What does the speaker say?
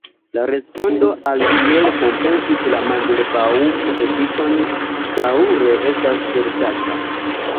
La respondo al kiel kompensi la "Mandelbaŭm-efikon" daŭre estas serĉata.